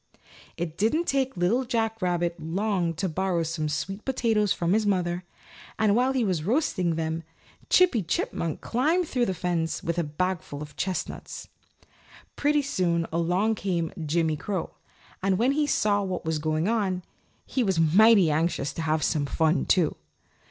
It didn't take Little Jack Rabbit long to borrow some sweet potatoes from his mother, and while he was roasting them Chippy Chipmunk climbed through the fence with a bagful of chestnuts. Pretty soon along came Jimmy Crow, and when he saw what was going on, he was mighty anxious to have some fun, too.